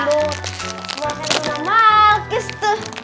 semuanya sudah makasih tuh